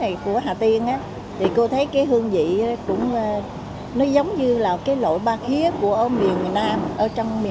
ăn nó béo béo